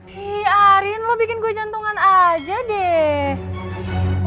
hi arin lo bikin gue jantungan aja deh